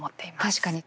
確かに。